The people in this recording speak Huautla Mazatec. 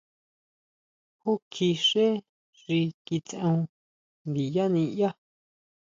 ¿Júkji xé xi kitseon ndiyá niʼyaá?